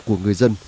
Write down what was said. của người dân